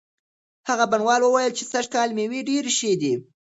هغه بڼوال وویل چې سږکال مېوې ډېرې ښې دي.